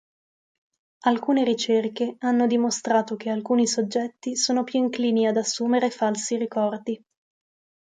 Alcune ricerche hanno dimostrato che alcuni soggetti sono più inclini ad assumere falsi ricordi.